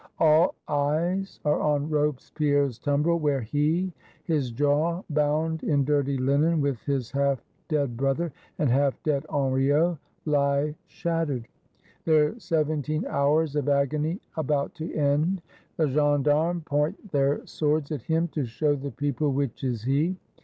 All eyes are on Robespierre's Tumbrel, where he, his jaw bound in dirty linen, with his half dead Brother, and half dead Henriot, lie shattered; their " seventeen hours " of agony about to end. The Gendarmes point their swords at him, to show the people which is he.